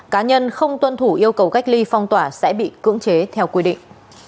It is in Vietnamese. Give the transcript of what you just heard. cá nhân không tuân thủ yêu cầu cách ly phong tỏa sẽ bị cưỡng chế theo quy định